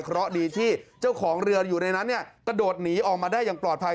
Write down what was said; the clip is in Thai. เพราะดีที่เจ้าของเรืออยู่ในนั้นกระโดดหนีออกมาได้อย่างปลอดภัย